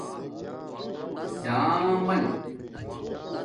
ڈامل